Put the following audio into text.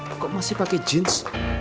eh kok masih pakai jeans